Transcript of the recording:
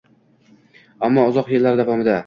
ammo uzoq yillar davomida